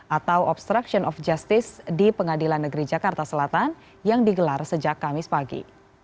atau obstruction of justice di pengadilan negeri jakarta selatan yang digelar sejak kamis pagi